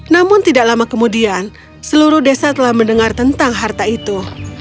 namun tidak lama kemudian seluruh desa telah mendengar tentang harta itu